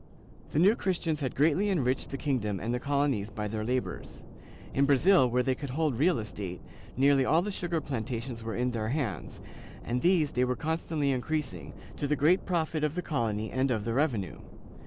The New Christians had greatly enriched the kingdom and the colonies by their labors. In Brazil, where they could hold real estate, nearly all the sugar plantations were in their hands, and these they were constantly increasing, to the great profit of the colony and of the revenue.